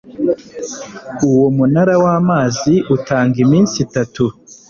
Uwo munara wamazi utanga iminsi itatu.